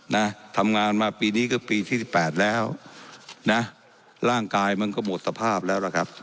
นะทำงานมาปีนี้ก็ปีที่สิบแปดแล้วนะร่างกายมันก็หมดสภาพแล้วล่ะครับ